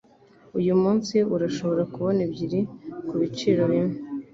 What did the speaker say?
Uyu munsi urashobora kubona ebyiri kubiciro byimwe.